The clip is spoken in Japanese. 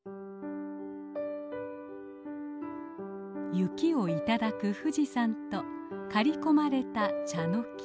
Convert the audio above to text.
雪を頂く富士山と刈り込まれたチャノキ。